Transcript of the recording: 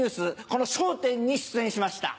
この『笑点』に出演しました。